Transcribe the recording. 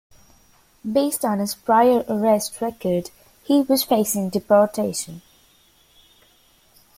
Based on his prior arrest record, he was facing deportation.